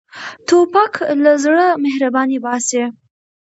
توپک له زړه مهرباني باسي.